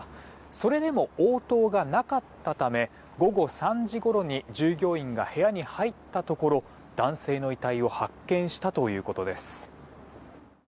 それでも応答がなかったため午後３時ごろに従業員が部屋に入ったところ男性の遺体を発見したということです。